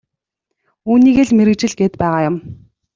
Үүнийгээ л мэргэжил гээд байгаа юм.